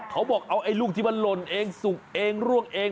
เขาบอกเอาไอ้ลูกที่มันหล่นเองสุกเองร่วงเอง